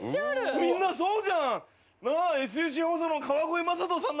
みんなそうじゃん！